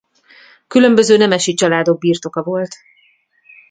Különböző nemesi családok birtoka volt.